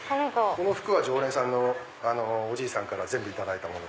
この服は常連さんのおじいさんから全部頂いた。